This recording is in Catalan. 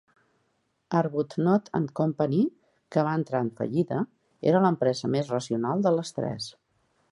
Arbuthnot and Co, que va entrar en fallida, era l'empresa més racional de les tres.